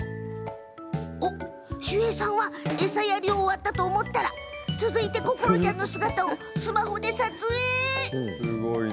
守衛さんは餌やりを終わったと思ったら続いてココロちゃんの姿をスマホで撮影。